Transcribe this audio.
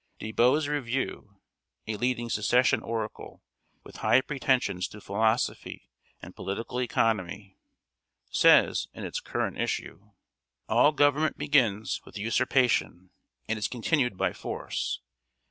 De Bow's Review, a leading Secession oracle, with high pretensions to philosophy and political economy, says, in its current issue: "All government begins with usurpation, and is continued by force.